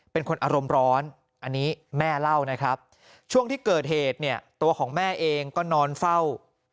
เป็นคนอารมณ์ร้อนอันนี้แม่เล่านะครับช่วงที่เกิดเหตุเนี่ยตัวของแม่เองก็นอนเฝ้า